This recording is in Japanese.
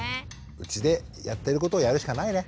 うちでやってることをやるしかないね。